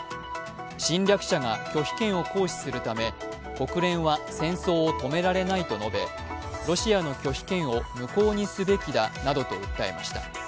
侵略者が拒否権を行使するため、国連は戦争を止められないと述べロシアの拒否権を無効にすべきだなどと訴えました。